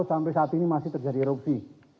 sampai saat ini masih terjadi erupsi